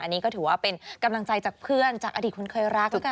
อันนี้ก็ถือว่าเป็นกำลังใจจากเพื่อนจากอดีตคนเคยรักแล้วกัน